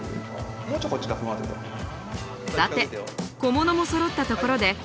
さて小物もそろったところで本番撮影。